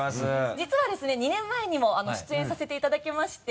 実はですね２年前にも出演させていただきまして。